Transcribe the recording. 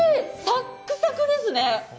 サックサクですね。